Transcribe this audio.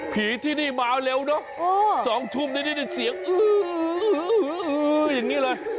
ที่นี่มาเร็วเนอะ๒ทุ่มนี่ได้เสียงอื้ออย่างนี้เลย